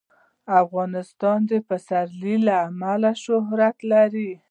افغانستان د پسرلی له امله شهرت لري.